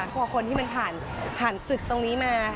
ทุกคนที่มันผ่านศึกตรงนี้มา